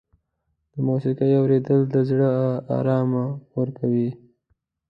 د موسیقۍ اورېدل د زړه آرام ورکوي.